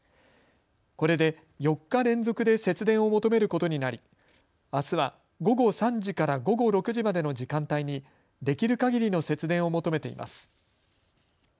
これで４日連続で節電を求めることになりあすは午後３時から午後６時までの時間帯にできるかぎりの節電を求めています。